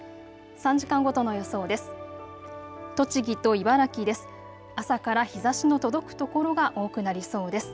３時間ごとの予想です。